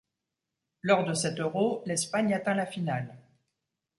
Lors de cet Euro, l'Espagne atteint la finale.